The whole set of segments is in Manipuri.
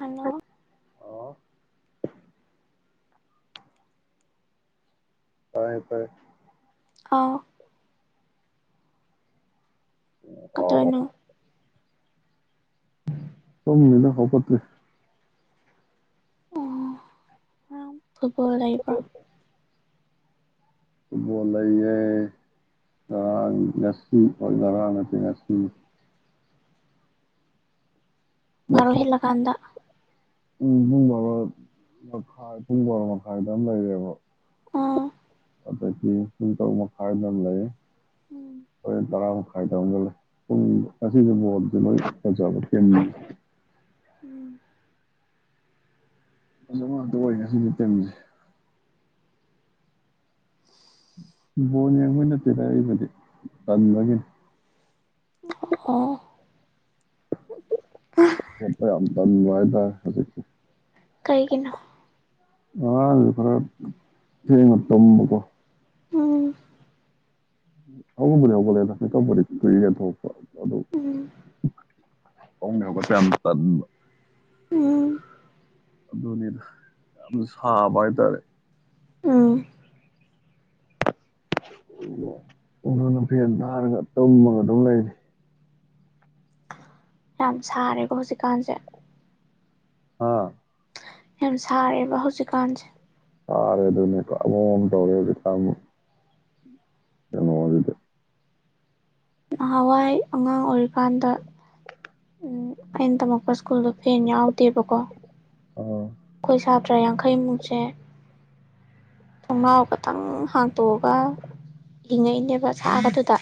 ꯍꯜꯂꯣ ꯑꯥ꯫ ꯐꯔꯦ - ꯐꯔꯦ꯫ ꯑꯧ꯫ ꯑꯣ [unintelligible] ꯇꯨꯝ ꯃꯨꯏꯅ ꯍꯧꯒꯠꯇꯔꯤ꯫ ꯑꯣ [unintelligible] ꯐꯨꯇꯕꯣꯜ ꯂꯩꯌꯦ ꯉꯔꯥꯡ ꯉꯁꯤ ꯑ ꯉꯔꯥꯡ ꯅꯠꯇꯦ ꯉꯁꯤꯅ꯫ ꯕꯥꯔꯣ ꯉꯁꯤ ꯍꯦꯜꯂꯛꯟꯗ ꯄꯨꯡ ꯕꯥꯔꯣ ꯃꯈꯥꯏ ꯄꯨꯡ ꯕꯥꯔꯣ ꯃꯈꯥꯏꯗ ꯑꯃ ꯂꯩꯔꯦꯕ ꯑꯥ ꯑꯗꯒꯤ ꯄꯨꯡ ꯇꯔꯨꯛ ꯃꯈꯥꯏꯗ ꯑꯃ ꯎꯝ ꯂꯩꯦꯟ ꯇꯔꯥ ꯃꯈꯥꯏꯗꯒ ꯂꯩ ꯄꯨꯡ ꯉꯁꯤꯁꯣꯁ ꯂꯣꯏ ꯐꯖꯕ ꯎꯝ ꯐꯖꯕ ꯉꯥꯛꯇꯥ ꯑꯣꯏ ꯉꯁꯤꯒꯤ ꯇꯤꯝꯖꯦ꯫ ꯕꯣꯟ ꯌꯦꯪꯕꯩ ꯅꯥꯠꯇꯦꯗꯥ ꯑꯩꯕꯨꯗꯤ ꯇꯥꯪꯕꯒꯤꯅꯤ꯫ ꯑꯣ [unintelligible] ꯍꯧꯖꯤꯛꯁꯦ ꯀꯩꯒꯤꯅꯣ? ꯉꯔꯪ ꯈꯔꯥ ꯊꯦꯪꯅꯥ ꯇꯨꯝꯕꯥ ꯀꯣ ꯎꯝ ꯍꯧꯕꯨꯗꯤ ꯍꯧꯒꯠꯂꯦꯗꯥ ꯃꯤꯀꯞꯄꯨꯗꯤ ꯀꯨꯏꯔꯦ ꯊꯣꯛꯄꯥ ꯑꯗꯣ ꯎꯝ ꯐꯥꯃꯨꯪꯗꯩꯩ ꯍꯧꯒꯠꯄ ꯌꯥꯝ ꯇꯟꯕꯥ ꯎꯝ ꯑꯗꯨꯅꯤꯗ ꯌꯥꯝꯅꯥ ꯁꯥꯕ ꯍꯥꯏꯇꯥꯔꯦ꯫ ꯑꯥ꯫ ꯑꯗꯨꯅ ꯐꯦꯟ ꯊꯥꯔꯒ ꯇꯨꯝꯃꯒ ꯑꯗꯨꯝ ꯂꯩꯔꯤ꯫ ꯌꯥꯝ ꯁꯥꯔꯦꯀꯣ ꯍꯧꯖꯤꯛꯀꯥꯟꯁꯦ꯫ ꯍꯥꯥ? ꯌꯥꯝ ꯁꯥꯔꯦꯕ ꯍꯧꯖꯤꯛꯀꯥꯟꯁꯦ꯫ ꯁꯔꯦ ꯑꯗꯨꯅꯤ ꯄꯨꯔ꯭ꯥ ꯑꯉꯥꯑꯣꯕ ꯇꯥꯔꯦ ꯍꯥꯏꯖꯤꯅꯤ [unintelligible] ꯑꯩ ꯑꯉꯥꯡ ꯑꯣꯏꯔꯤꯀꯥꯟꯗ ꯑꯩꯅ ꯇꯝꯃꯛ ꯈꯣꯏ ꯁ꯭ꯀꯨꯜꯗꯣ ꯐꯦꯟ ꯌꯥꯎꯗꯦꯕꯀꯣ ꯑꯥ ꯑꯩꯈꯣꯏ ꯁꯥꯇ꯭ꯔ ꯌꯥꯡꯈꯩꯃꯨꯛꯁꯦ ꯊꯣꯡꯅꯥꯥꯎ ꯈꯇꯪ ꯍꯥꯡꯇꯣꯛꯑꯒ ꯍꯤꯡꯉꯛꯏꯅꯦꯕ ꯁꯥꯕꯗꯨꯗ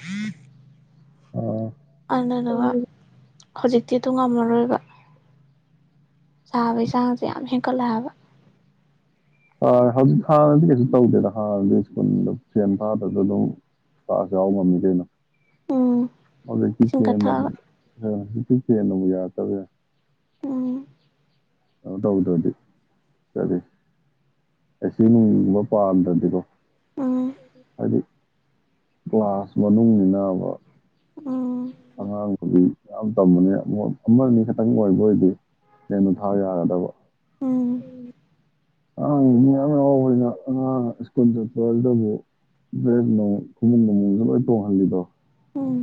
ꯑꯣ꯫ [unintelligible] ꯍꯧꯖꯤꯛꯇꯤ ꯑꯗꯨ ꯉꯝꯃꯔꯣꯏꯕ ꯁꯥꯕꯒꯤꯁꯥꯡꯁꯦ ꯌꯥꯝ ꯍꯦꯟꯀꯠꯂ ꯍꯥꯏꯕ꯫ ꯍꯧꯖꯤꯛ ꯍꯥꯟꯅꯗꯤ ꯀꯩꯁꯨ ꯇꯧꯗꯦꯗ ꯍꯥꯟꯅꯗꯤ ꯁ꯭ꯀꯨꯜꯗ ꯐꯦꯟ ꯐꯥꯗꯁꯨ ꯑꯗꯨꯝ ꯀ꯭ꯂꯥꯁ ꯌꯥꯎꯕ ꯉꯝꯃꯤ ꯗꯨꯅꯤ꯫ ꯎꯝ ꯍꯧꯖꯤꯛꯇꯤ ꯐꯦꯟ ꯆꯤꯡꯈꯠꯊꯑꯒ ꯅ [unintelligible] ꯎꯝ ꯀꯩꯅꯣ ꯇꯧꯗ꯭ꯔꯗꯤ ꯀꯔꯤ ꯑꯁꯤ ꯅꯨꯡꯕ ꯄꯥꯝꯗ꯭ꯔꯗꯤꯀꯣ ꯎꯝ ꯍꯥꯏꯗꯤ ꯀ꯭ꯂꯒꯥꯁ ꯃꯅꯨꯡꯅꯤꯅꯕ ꯎꯝ ꯑꯉꯥꯡ ꯌꯥꯝ ꯇꯝꯕꯅꯤ ꯑꯃ ꯑꯅꯤ ꯈꯛꯇꯪ ꯑꯣꯏꯕ ꯑꯣꯏꯔꯗꯤ ꯂꯦꯝꯅ ꯊꯥꯕ ꯌꯥꯒꯗꯕ ꯎꯝ ꯑꯉꯥꯡ ꯃꯤ ꯌꯥꯝ ꯍꯔꯥꯎꯕꯅ ꯑꯉꯥꯡ ꯁ꯭ꯀꯨꯜ ꯆꯠꯄ ꯑꯗꯨꯗꯕꯨ ꯗ꯭ꯔꯦꯁ ꯈꯨꯃꯨꯡ ꯅꯃꯨꯁꯨ ꯂꯣꯏ ꯇꯣꯡꯍꯜꯂꯤꯗꯣ ꯎꯝ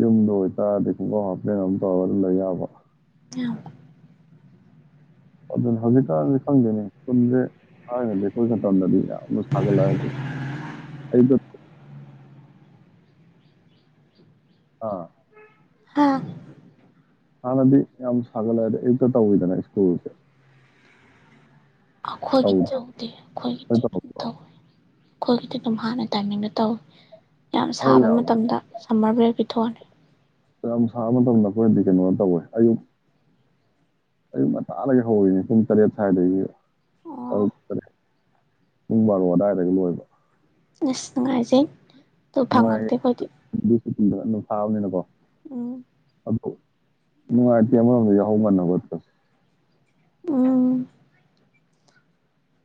ꯌꯨꯝꯗ ꯑꯣꯏꯇꯥꯔꯗꯤ ꯈꯨꯡꯀꯥꯎ ꯍꯥꯞꯄꯦꯟ ꯑꯃ ꯇꯧꯔ ꯂꯩ ꯌꯥꯕ ꯌꯥꯝ ꯑꯗꯨ ꯍꯧꯖꯤꯛꯀꯟꯁꯦ ꯈꯪꯗ꯭ꯔꯅꯦ ꯁꯀ꯭ꯂꯨꯁ ꯁꯦ ꯊꯥꯏꯅꯗꯤ ꯑꯩꯈꯣꯏ ꯃꯇꯝꯗꯗꯤ ꯌꯥꯝꯅ ꯁꯥꯒꯠꯂꯗꯝ ꯑꯌꯨꯛꯇ ꯀꯣꯛ ꯑꯥ ꯍꯥꯥ ꯍꯥꯟꯅꯗꯤ ꯌꯥꯝ ꯁꯥꯒꯠꯂꯛꯑꯗꯤ ꯑꯌꯨꯛꯇ ꯇꯧꯋꯤꯗꯅ ꯁ꯭ꯀꯨꯜꯁꯦ ꯑꯩꯈꯣꯏꯒꯤ ꯇꯧ ꯅꯣꯏ ꯇꯧꯗꯦ ꯑꯩꯈꯣꯏꯒꯤ ꯑꯗꯨꯝ ꯇꯧꯔꯛꯄ꯭ꯔꯣ ꯇꯧꯏ ꯑꯩꯈꯣꯏꯒꯤꯗꯤ ꯑꯗꯨꯝ ꯍꯥꯟꯅ ꯇꯥꯏꯃꯤꯡꯗ ꯇꯧꯋꯤ ꯌꯥꯝ ꯑꯩꯈꯣꯏ ꯁꯥꯕ ꯌꯥꯝ ꯃꯇꯝꯗ ꯁꯝꯃꯔ ꯕ꯭ꯔꯦ [unintelligible] ꯃꯇꯝ ꯁꯥꯕ ꯃꯇꯝꯗ ꯑꯩꯈꯣꯏꯅꯗꯤ ꯀꯩꯅꯣ ꯇꯧꯋꯦ ꯑꯌꯨꯛ ꯑꯌꯨꯛ ꯉꯟꯇꯥꯗꯒꯤ ꯍꯧꯅꯦ ꯄꯨꯡ ꯇꯔꯦꯠ ꯁ꯭ꯋꯥꯏꯗꯒꯤ ꯑꯣ ꯇꯔꯨꯛ ꯇꯔꯦꯠ ꯄꯨꯡ ꯕꯥꯔꯣ ꯑꯗꯨꯋꯥꯏꯗꯒꯤ ꯂꯣꯏꯕ ꯑꯁ ꯅꯨꯡꯉꯥꯏꯖꯩ ꯑꯗꯨ ꯐꯪꯉꯛꯇꯦ ꯑꯩꯈꯣꯏꯗꯤ ꯅꯨꯡꯉꯥꯏꯌꯦ ꯁꯥꯕꯅꯤꯅꯀꯣ ꯎꯝ ꯅꯨꯡꯉꯥꯏꯇꯦ ꯑꯃꯔꯣꯝꯗ ꯌꯥꯍꯧ ꯉꯟꯅ ꯍꯧꯒꯠꯄ ꯎꯝ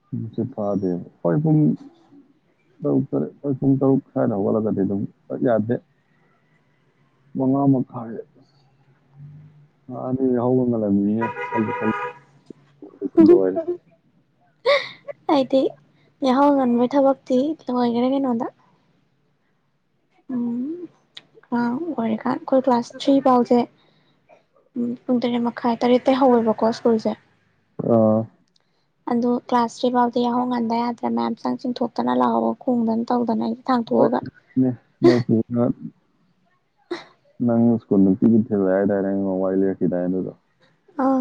ꯇꯨꯝꯁꯤꯠ ꯐꯗꯦꯕ ꯍꯣꯏ ꯄꯨꯡ ꯇꯔꯨꯛ ꯍꯣꯏ ꯄꯨꯡ ꯇꯔꯨꯛ ꯁ꯭ꯋꯥꯏꯗ ꯍꯧꯒꯠꯂꯒꯗꯤ ꯑꯗꯨꯝ ꯌꯥꯗꯦ ꯃꯉꯥ ꯃꯈꯥꯏ ꯑꯅꯤ ꯌꯥꯍꯧꯒ ꯉꯜꯂꯝꯃꯤꯅꯤꯅꯦ ꯑꯩꯗꯤ ꯌꯥꯍꯧꯉꯟꯕ ꯊꯕꯛꯇꯤ ꯂꯣꯏꯒ꯭ꯔꯦ ꯀꯩꯅꯣꯗ ꯎꯝ ꯑꯉꯥꯡ ꯑꯣꯏꯔꯤꯀꯥꯟ ꯑꯩꯈꯣꯏ ꯀ꯭ꯂꯥꯁ ꯊ꯭ꯔꯤ ꯐꯥꯎꯁꯦ ꯎꯝ ꯄꯨꯡ ꯇꯔꯦꯠ ꯃ ꯈꯥꯏ ꯇꯔꯦꯠꯇꯩ ꯍꯧꯋꯦꯕꯀꯣ ꯁ꯭ꯀꯨꯜꯁꯦ ꯑꯥ ꯑꯗꯨ ꯀ꯭ꯂꯥꯁ ꯊ꯭ꯔꯤ ꯐꯥꯎꯗꯤ ꯌꯥꯍꯧ ꯉꯟꯗ ꯌꯥꯗ꯭ꯔꯦ ꯃꯌꯥꯝꯆꯪ ꯆꯤꯡꯊꯣꯛꯇꯅ ꯂꯥꯛꯍꯧꯕ ꯈꯣꯡꯗꯅ ꯇꯧꯗꯅ ꯑꯩ ꯍꯣꯏ ꯊꯥꯡꯇꯣꯛꯑꯒ [unintelligible] [unintelligible] ꯅꯪ ꯁ꯭ꯀꯨꯜ ꯅꯨꯄꯤꯒꯤ ꯊꯤꯂꯦ ꯍꯥꯏꯗꯥꯏ ꯅꯪ ꯅꯣꯡꯃ ꯋꯥꯔꯤ ꯂꯤꯔꯛꯈꯤꯗꯥꯏ ꯑꯗꯨꯗꯣ ꯑꯣ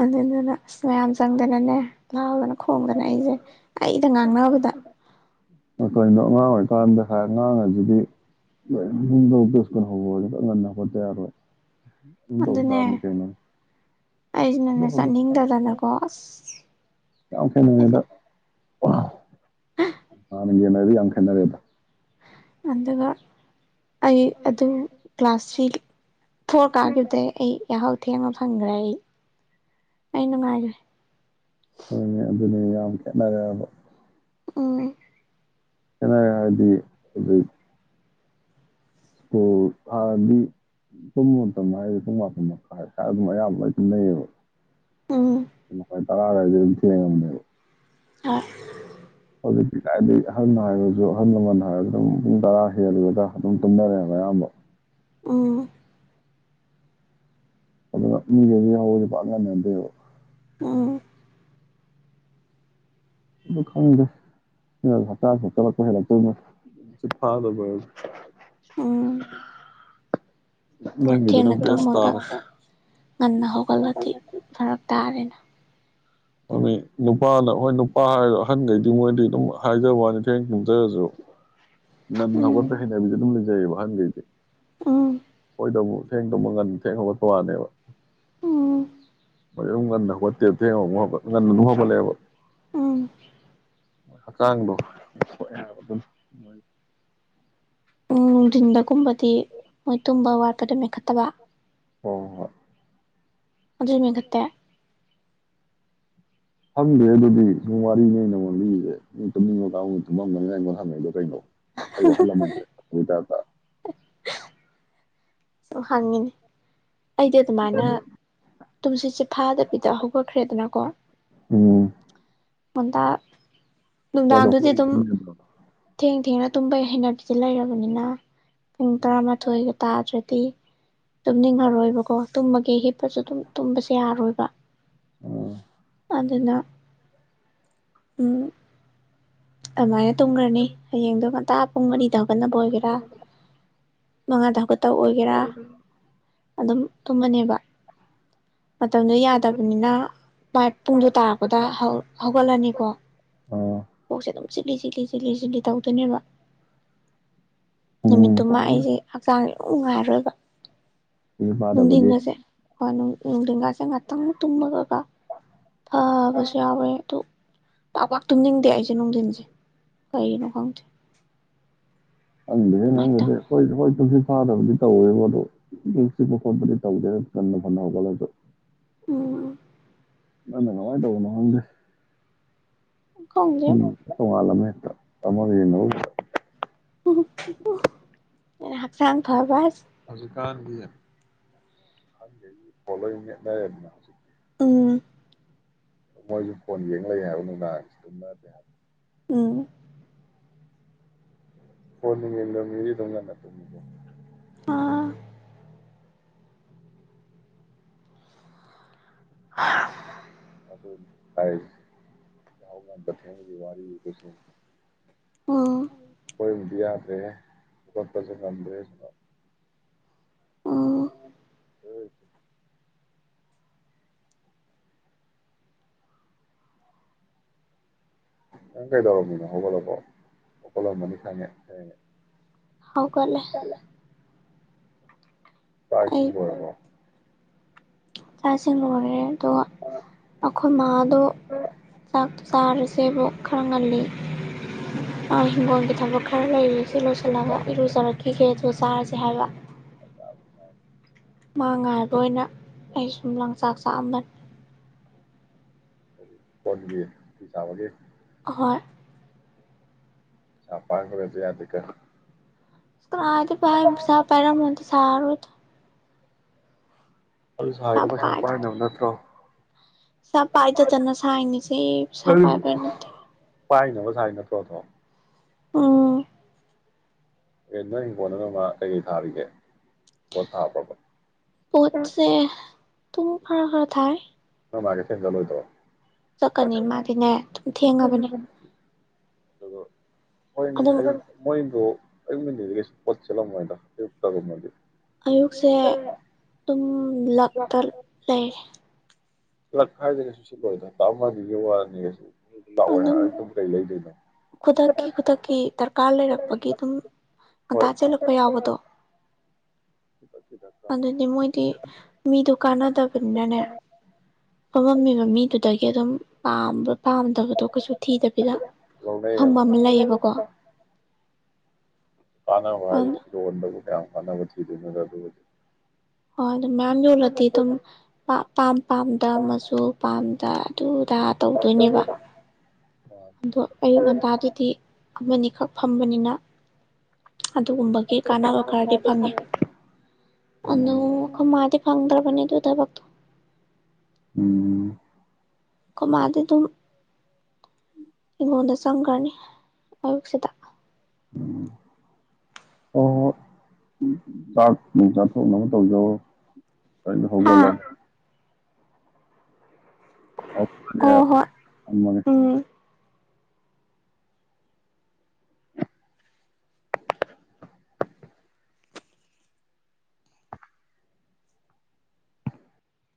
ꯑꯗꯨꯗꯨꯅ ꯅꯦ ꯃꯩꯌꯝ ꯆꯪꯗꯅꯅꯦ ꯉꯥꯎꯗꯨꯅꯦ ꯈꯣꯡꯅ ꯂꯛ ꯏꯁꯦ ꯑꯩꯗ ꯉꯥꯡꯅꯕꯗ ꯑꯉꯥꯡ ꯑꯣꯏꯔꯤꯀꯥꯟꯗ ꯍꯥꯏ ꯑꯉꯥꯡ ꯑꯁꯤꯗꯤ ꯂꯣꯏꯗ ꯁ꯭ꯀꯨꯜ ꯍꯧꯕꯁꯤꯗ ꯉꯟꯅ ꯍꯧꯒꯠꯇ ꯌꯥꯔꯣꯏ ꯑꯗꯨꯝ ꯇꯧ ꯑꯗꯨꯅꯦ ꯇꯥꯕꯅꯤ ꯀꯩꯅꯣ ꯑꯗꯣ ꯑꯩꯖꯤꯅꯅꯦ ꯍꯧꯖꯤꯛ ꯆꯠꯅꯤꯡꯗꯗꯅꯀꯣ ꯑꯁꯁ ꯌꯥꯍꯧ ꯊꯪꯔꯤꯉꯥꯏꯁꯤ ꯗꯥ ꯍꯥꯟꯅꯒ ꯌꯦꯡꯅꯔꯗꯤ ꯌꯥꯝ ꯈꯦꯟꯅꯔꯦꯗ ꯑꯗꯨꯒ ꯑꯩ ꯑꯗꯨ ꯀ꯭ꯂꯥꯁ ꯊ꯭ꯔꯤ ꯐꯣꯔ ꯀꯥꯒꯥꯕꯗꯩ ꯑꯩ ꯌꯥꯍꯧ ꯊꯦꯡꯅ ꯐꯪꯒ꯭ꯔꯦ ꯑꯩ ꯑꯩ ꯅꯨꯡꯉꯥꯏꯒ꯭ꯔꯦ ꯍꯣꯏꯅꯦ ꯑꯗꯨꯅꯦ ꯌꯥꯝ ꯈꯦꯠꯅꯔꯦꯕ ꯎꯝ ꯈꯦꯟꯅꯔꯦ ꯍꯥꯏꯗꯤ ꯑꯗꯨ ꯁ꯭ꯀꯨꯜ ꯊꯥꯔꯗꯤ ꯄꯨꯝꯕ ꯃꯇꯝ ꯍꯥꯏꯔꯗꯤ ꯄꯨꯡ ꯃꯥꯄꯟ ꯃꯈꯥꯏ ꯑꯗꯨꯝ ꯑꯌꯥꯝꯕ ꯑꯗꯨꯝ ꯇꯨꯝꯅꯩꯌꯦꯕ ꯎꯝ ꯄꯨꯡ ꯃꯈ ꯇꯔꯥ ꯑꯗꯨꯏꯗ ꯑꯗꯨꯝ ꯊꯦꯡꯉꯕꯅꯦꯕ ꯑ ꯑꯗꯨꯗꯤ ꯀꯥꯏꯗꯤ ꯑꯍꯜ ꯍꯥꯏꯔꯁꯨ ꯑꯍꯜ ꯂꯃꯟ ꯍꯥꯏꯔꯁꯨ ꯑꯗꯨꯝ ꯄꯨꯡ ꯇꯔꯥ ꯍꯦꯜꯂꯕꯒ ꯑꯗꯨꯝ ꯇꯨꯝꯅꯔꯦꯕ ꯑꯌꯥꯝꯕ ꯎꯝ ꯑꯗꯨꯅ ꯃꯤꯒꯩꯁꯦ ꯌꯥꯍꯧꯁꯦ ꯄꯥꯛ ꯉꯟꯒꯟꯗꯦꯕ ꯎꯝ ꯗꯨ ꯈꯪꯗꯦ ꯑꯟꯏꯟꯇꯦꯜꯂꯤꯖꯦꯕꯜ ꯎꯝ ꯊꯦꯡꯅ ꯇꯨꯝꯃꯒ ꯇꯥꯔꯦ ꯉꯟꯅ ꯍꯧꯒꯠꯂꯗꯤ ꯐꯔꯛ ꯇꯥꯔꯦꯅ ꯃꯃꯤ ꯅꯨꯄꯥꯅ ꯍꯣꯏ ꯅꯨꯄꯥ ꯍꯥꯏꯔꯣ ꯑꯍꯟꯒꯩꯗꯨ ꯃꯣꯏꯗꯤ ꯑꯗꯨꯝ ꯍꯥꯏꯖꯕꯋꯥꯅꯤ ꯊꯦꯡ ꯇꯨꯝꯖꯔꯁꯨ ꯉꯟꯅ ꯎꯝ ꯍꯧꯒꯠꯄꯩ ꯍꯩꯅꯕꯤꯗꯨ ꯑꯗꯨꯝ ꯂꯩꯕ ꯂꯩꯔꯤꯕ ꯑꯍꯟꯒꯩꯗꯤ ꯎꯝ ꯑꯣꯏꯗꯕꯨ ꯊꯦꯡ ꯇꯨꯝꯃ ꯉꯟ ꯊꯦꯡ ꯍꯧꯒꯠꯄ ꯋꯥꯅꯦꯕ ꯎꯝ ꯃꯌꯨꯝ ꯉꯟꯅ ꯍꯧꯒꯠꯇꯦꯕ ꯊꯦꯡ ꯍꯧꯒꯠ ꯉꯟꯅ ꯗꯨꯝ ꯍꯧꯒꯠꯂꯦꯕ ꯑꯝ ꯃꯣꯏ ꯍꯛꯆꯥꯡꯗꯣ ꯁꯣꯛꯑꯦ ꯍꯥꯏꯕ ꯑꯗꯨꯝ ꯃꯣꯏ ꯎꯝ ꯅꯨꯡꯊꯤꯟꯗꯒꯨꯝꯕꯗꯤ ꯃꯣꯏ ꯇꯨꯝꯕ ꯋꯥꯠꯄꯗꯨ ꯃꯦꯟꯈꯠꯇꯕ ꯍꯣ ꯍꯣ ꯍꯣꯏ ꯑꯗꯨ ꯃꯦꯟꯈꯠꯇꯦ ꯈꯣꯗ꯭ꯔꯦ ꯑꯗꯨꯗꯤ ꯁꯨꯝ ꯋꯥꯔꯤꯅꯦ ꯑꯩ ꯅꯉꯣꯟ ꯂꯤꯁꯦ ꯅ ꯇꯨꯝꯅꯤꯡꯕ ꯀꯥꯡ ꯇꯨꯝꯃꯝꯒꯅꯤꯅ ꯑꯩꯉꯣꯟꯗ ꯍꯪꯉꯦꯗꯣ ꯀꯩꯅꯣ ꯑꯩꯕꯨ ꯑꯍꯜ ꯂꯃꯟ ꯑꯟꯏꯟꯇꯦꯜꯂꯤꯖꯦꯕꯜ ꯕꯩ ꯒꯥꯏꯞꯇ ꯍꯪꯉꯤꯅꯤ ꯑꯩꯗꯤ ꯑꯗꯨꯃꯥꯏꯅ ꯇꯨꯝꯁꯤꯠꯁꯦ ꯐꯥꯗꯕꯤꯗ ꯍꯧꯒꯠꯈ꯭ꯔꯦꯗꯅꯀꯣ ꯎꯝ ꯉꯟꯇꯥ ꯑꯥ ꯅꯨꯡꯗꯥꯡꯗꯨꯗꯤ ꯑꯗꯨꯝ ꯊꯦꯡ ꯊꯦꯡꯅ ꯇꯨꯝꯕꯩ ꯍꯩꯅꯕꯤꯁꯤ ꯂꯩꯔꯕꯅꯤꯅ ꯄꯨꯡ ꯇꯔꯥꯃꯥꯊꯣꯏꯒ ꯇꯥꯗ꯭ꯔꯦ ꯀꯩ ꯇꯨꯝꯅꯤꯡꯉꯔꯣꯏꯕꯀꯣ ꯇꯨꯝꯃꯒꯦ ꯍꯤꯞꯄꯁꯨ ꯑꯗꯨꯝ ꯇꯨꯝꯕꯁꯦ ꯌꯥꯔꯣꯏꯕ ꯕ ꯑꯝ ꯑꯗꯨꯅ ꯎꯝ ꯑꯃꯥꯏꯅ ꯇꯨꯝꯒ꯭ꯔꯅꯤ ꯍꯌꯦꯡꯗꯣ ꯉꯟꯇꯥ ꯄꯨꯡ ꯃꯔꯤꯗ ꯍꯧꯒꯠꯅꯕ ꯑꯣꯏꯒꯦꯔꯥ ꯃꯉꯥꯗ ꯃꯇꯧ ꯑꯣꯏꯒꯦꯔꯥ ꯑꯗꯨꯝ ꯇꯨꯝꯃꯅꯦꯕ ꯃꯇꯝꯗꯣ ꯌꯥꯗꯕꯅꯤꯅ ꯚꯥꯏ ꯄꯨꯡꯗꯣ ꯇꯥꯔꯛꯄꯗ ꯍꯧꯒꯠꯂꯅꯤꯀꯣ ꯑꯥ ꯑꯗꯨꯝ ꯆꯤꯠꯂꯤ ꯆꯤꯠꯂꯤ ꯆꯤꯠꯂꯤ ꯆꯤꯠꯂꯤ ꯇꯧꯗꯣꯏꯅꯦꯕ ꯎꯝ ꯅꯨꯃꯤꯠꯇꯨꯃ ꯑꯩꯁꯦ ꯀꯔꯤ ꯍꯛꯆꯥꯡ ꯎꯝ ꯉꯥꯏꯔꯣꯏꯕ ꯄꯥꯗꯕꯒꯤ ꯅꯨꯡꯊꯤꯟꯉꯁꯦ ꯀꯣ ꯂꯦꯡꯒꯥꯁꯦ ꯉꯥꯛꯇꯪ ꯇꯨꯝꯃꯒꯒ ꯐꯥꯕꯁꯨ ꯌꯥꯎꯑꯦ ꯑꯗꯨ ꯄꯥꯛ ꯄꯥ ꯇꯨꯝꯅꯤꯡꯗꯦ ꯑꯩꯁꯦ ꯅꯨꯡꯊꯤꯟꯁꯦ ꯀꯔꯤꯒꯤꯅꯣ ꯈꯪꯗꯦ ꯑꯗꯨꯃꯥꯏꯅ ꯇꯧꯋꯦ [unintelligible] ꯐꯥꯗꯕꯗꯤ ꯇꯧꯋꯦꯕ ꯑꯗꯣ ꯏꯪ ꯆꯤꯛꯄ ꯈꯣꯠꯄꯗꯤ ꯇꯧꯗꯦ ꯀꯟꯅ ꯐꯅꯕꯅꯕ ꯈꯠꯂꯁꯨ ꯎꯝ ꯅꯪꯅ ꯀꯃꯥꯏꯅ ꯇꯧꯕꯅꯣ ꯈꯪꯗꯦ ꯈꯪꯗꯦ ꯎꯝ ꯁꯣ ꯑꯂꯃꯦ [unintelligible] ꯍꯥꯛꯆꯥꯡ ꯐꯕ ꯍꯥꯏꯁꯦ ꯍꯧꯖꯤꯛꯀꯥꯟꯒꯤ [unintelligible] [unintelligible] ꯑꯝ ꯃꯣꯏꯁꯨ ꯐꯣꯟ ꯌꯦꯡ ꯂꯩ ꯍꯥꯏꯕ ꯅꯨꯡꯗꯥ ꯑꯗꯨꯝ ꯍꯥꯏꯕ ꯎꯝ [unintelligible] ꯑꯥ [unintelligible] ꯎꯝ [unintelligible] ꯍꯣꯏ ꯌꯥꯗꯔꯦꯍꯦ ꯍꯧꯒꯠꯄꯁꯤ ꯉꯝꯗꯔꯦꯍꯦ ꯎꯝ [unintelligible] ꯅꯪ ꯀꯩꯗꯧꯔꯝꯃꯤꯅꯣ ꯍꯧꯒꯠꯂꯕꯣ ꯍꯧꯒꯠꯂꯝꯃꯅꯤ ꯈꯪꯉꯦ ꯊꯦꯡꯉꯦ ꯍꯧꯒꯠꯂꯦ ꯆꯥꯛ ꯑꯩ ꯏꯁꯤꯡ ꯂꯣꯏꯔꯕ꯭ꯔꯣ ꯆꯥꯛ ꯏꯁꯤꯡ ꯂꯣꯏꯔꯦ ꯑꯗꯣ ꯑꯩꯈꯣꯏ ꯃꯥꯗꯣ ꯆꯥꯛꯇꯨ ꯆꯥꯔꯁꯦꯕꯨ ꯈꯔ ꯉꯜꯂꯤ ꯑ ꯍꯤꯡꯒꯣꯟꯒꯤ ꯊꯕꯛ ꯈꯥꯔ ꯂꯩꯔꯤ ꯂꯣꯏꯁꯤꯜꯂꯒ ꯏꯔꯨꯖꯔꯛꯈꯤꯒꯦ ꯑꯗꯨ ꯆꯥꯔꯁꯦ ꯍꯥꯏꯕ ꯃꯥ ꯉꯥꯏꯕ ꯑꯣꯏꯅ ꯑꯩꯁꯨꯝ ꯂꯪꯆꯥꯛ ꯆꯥꯛꯑꯝꯕꯅꯤ ꯄꯠꯕꯤ ꯐꯤ ꯁꯥꯕꯒꯤ ꯍꯣꯏ ꯄꯩꯁꯥ ꯄꯥꯏꯕꯒꯥꯁꯦ ꯌꯥꯗꯦꯀꯣ ꯀꯥꯔꯥꯏꯗꯩ ꯄꯥꯏꯕ ꯄꯩꯁꯥ ꯄꯥꯏꯔꯝꯃꯥꯗꯤ ꯁꯥꯔꯔꯣꯏꯗ ꯑꯗꯨ ꯁꯥꯔꯤꯗꯣ ꯄꯩꯁꯥ ꯄꯥꯏꯅꯕ ꯅꯠꯇ꯭ꯔꯣ ꯁ ꯄꯥꯏꯗꯗꯅ ꯁꯥꯏꯅꯤꯁꯦ ꯄꯩꯁꯥ ꯑꯗꯨ ꯄꯥꯏꯕꯩ ꯅꯠꯇꯦ ꯄꯥꯏꯅꯕ ꯁꯥꯔꯤ ꯅꯠꯇ꯭ꯔꯣ ꯗꯣ ꯎꯨꯝ ꯑꯦ ꯅꯪ ꯍꯤꯡꯒꯣꯟ ꯑꯃꯃ ꯀꯩ-ꯀꯩ ꯊꯥꯔꯤꯒꯦ ꯄꯣꯠ ꯊꯥꯗ꯭ꯔꯕꯣ ꯄꯣꯠꯁꯦ ꯇꯨꯡ ꯈꯥꯔ-ꯈꯔ ꯊꯥꯏ ꯅꯣꯏ ꯃꯥꯗꯤ ꯀꯩꯊꯦꯟ ꯆꯠꯂꯣꯏꯗꯣ ꯆꯠꯀꯅꯤ ꯃꯥꯗꯤꯅꯦ ꯑꯗꯨꯝ ꯊꯦꯡꯉꯕꯅꯤ ꯑꯗꯨꯕꯨ ꯃꯣꯏꯅꯦ ꯑꯗꯨꯝ ꯑꯩ ꯃꯣꯏꯕꯨ ꯑꯩ ꯃꯟꯗꯦꯗ ꯀꯩꯁꯨ ꯄꯣꯠ ꯁꯤꯠꯂꯝꯃꯣꯏꯗ ꯇꯒ ꯃꯥꯗꯤ ꯑꯌꯨꯛꯁꯦ ꯗꯨꯝ ꯂꯛꯇ ꯂꯩꯔꯦ ꯂꯛ ꯍꯥꯏꯁꯦ ꯀꯩꯁꯨ ꯁꯤꯠꯂꯣꯏꯗ [inaudible] ꯋꯥꯗꯅꯤ ꯀꯩꯁꯨ ꯂꯥꯛꯑꯣꯏ ꯑꯗꯨꯝ ꯍꯥꯏꯔ ꯀꯩ ꯂꯩꯗꯣꯏꯅꯣ ꯈꯨꯗꯛꯀꯤ-ꯈꯨꯗꯛꯀꯤ ꯗꯔꯀꯥꯔ ꯂꯩꯔꯛꯄꯒꯤ ꯑꯗꯨꯝ ꯉꯟꯇꯥ ꯍꯣꯏ ꯆꯦꯜꯂꯛꯄ ꯌꯥꯎꯕꯗꯣ ꯑꯗꯅꯤ ꯃꯣꯏꯗꯤ ꯃꯤꯗꯣ ꯀꯥꯟꯅꯗꯕꯅꯤꯅꯅꯦ ꯐꯝꯃꯝꯃꯤꯕ ꯃꯤꯗꯨꯗꯩ ꯑꯗꯨꯝ ꯄꯥꯝꯕ꯭ꯔ ꯄꯥꯝꯗꯕꯗꯣ ꯀꯩꯁꯨ ꯊꯤꯗꯕꯤꯗ ꯐꯝꯃꯥ ꯂꯧꯅꯩꯌꯦꯕ ꯑꯝ ꯂꯩꯌꯦꯕꯀꯣ ꯀꯥꯅꯕ ꯍꯥꯏꯒ ꯑꯗꯨ ꯍꯥꯏꯖꯤ ꯐꯤꯔꯣꯟꯗꯗꯤ ꯐꯅꯌꯥꯝ ꯀꯥꯟꯅꯕ ꯊꯤꯗꯣꯏꯅꯦ ꯑꯗꯨꯕꯨꯗꯤ ꯍꯣꯏ ꯑꯗꯨ ꯃꯌꯥꯝ ꯌꯣꯜꯂꯗꯤ ꯑꯗꯨꯝ ꯄꯥꯝ-ꯄꯥꯝꯗ ꯃꯆꯨ ꯄꯥꯝꯗ ꯑꯗꯨ ꯑꯗꯥ ꯇꯧꯗꯣꯏꯅꯦꯕ ꯎꯝ ꯑꯗꯣ ꯑꯌꯨꯛ ꯉꯟꯇꯥꯗꯨꯗꯤ ꯑꯃꯅꯤ ꯈꯛ ꯐꯝꯕꯅꯤꯅ ꯑꯗꯨꯒꯨꯝꯕꯒꯤ ꯀꯥꯟꯅꯕ ꯈꯔꯗꯤ ꯐꯪꯉꯤ ꯑꯗꯣ ꯑꯩꯈꯣꯏ ꯃꯥꯗꯤ ꯐꯪꯗ꯭ꯔꯕꯅꯤ ꯑꯗꯨ ꯊꯕꯛꯇꯣ ꯎꯝ ꯑꯩꯈꯣꯏ ꯃꯥꯗꯤ ꯗꯨꯝ ꯍꯤꯡꯒꯣꯟꯗ ꯆꯪꯒ꯭ꯔꯅꯤ ꯑꯌꯨꯛꯁꯤꯗ ꯎꯝ ꯍꯣ ꯍꯣ ꯍꯣ ꯆꯥꯛ ꯅꯨꯡ ꯆꯥꯊꯣꯛꯅꯕ ꯇꯧꯖꯧꯔꯣ ꯀꯔꯤꯝꯇꯥ ꯍꯥ ꯍꯧꯒꯣꯠꯂꯒ ꯑꯧ ꯍꯣꯏ ꯐꯝꯃꯒ ꯎꯝ